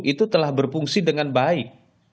itu telah berfungsi dengan baik